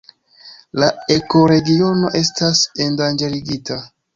La ekoregiono estas endanĝerigita.